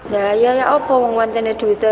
ya ya ya apa mau membeli duitnya